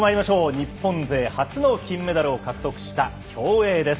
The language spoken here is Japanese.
日本勢初の金メダルを獲得した競泳です。